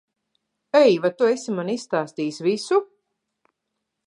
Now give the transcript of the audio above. Ei, vai tu esi man izstāstījis visu?